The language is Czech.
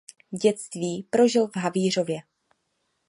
Dětství prožil v Havířově.